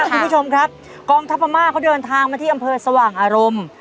คุณผู้ชมครับกองทัพพม่าเขาเดินทางมาที่อำเภอสว่างอารมณ์